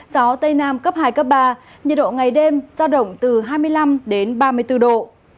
gió tây nam cấp hai cấp ba nhiệt độ ngày đêm giao động từ hai mươi năm đến ba mươi bốn độ